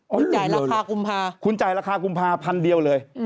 คุณจ่ายราคากุมภาคุณจ่ายราคากุมภาพันเดียวเลย